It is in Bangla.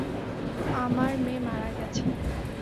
আমার মেয়ে মারা গেছে।